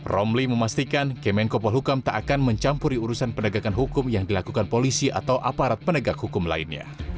romli memastikan kemenko polhukam tak akan mencampuri urusan penegakan hukum yang dilakukan polisi atau aparat penegak hukum lainnya